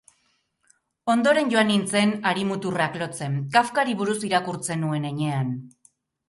Ondoren joan nintzen hari-muturrak lotzen, Kafkari buruz irakurtzen nuen heinean.